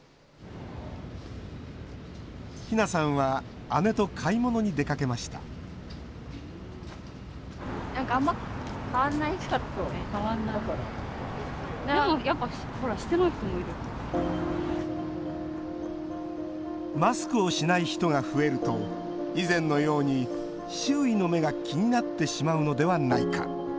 ひなさんは姉と買い物に出かけましたマスクをしない人が増えると以前のように周囲の目が気になってしまうのではないか。